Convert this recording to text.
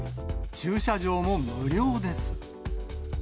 駐車場も無料です。